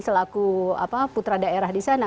selaku putra daerah di sana